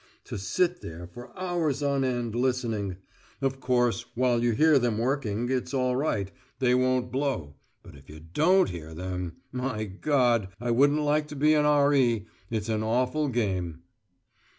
To sit there for hours on end, listening. Of course, while you hear them working, it's all right, they won't blow. But if you don't hear them! My God, I wouldn't like to be an R.E. It's an awful game."